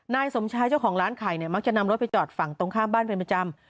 นายสมชายเจ้าของร้านไข่เนี่ยมักจะนำรถไปจอดฝั่งตรงข้ามบ้านเป็นประจำ